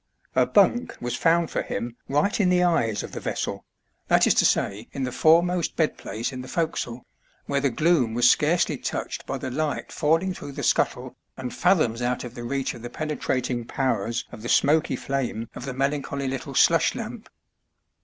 A bunk was found for him right in the eyes of the vessel, that is to say in the foremost bedplace in the forecastle, where the gloom was scarcely touched by the light fall ing through the scuttle and fathoms out of the reach of the penetrating powers of the smoky flame of the melancholy little slush lamp.